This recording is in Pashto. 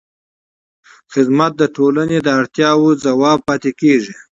خدمت د ټولنې د اړتیاوو ځواب پاتې کېږي.